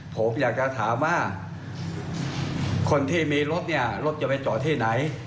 ผมอยากจะถามว่าคนที่มีรถเนี่ยรถจะไปจอดที่ไหน